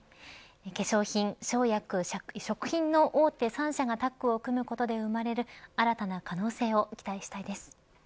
化粧品、生薬、食品の大手３社がタッグを組むことで生まれる新たな可能性を期待したいです。